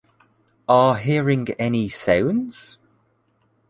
Are hearing any sounds?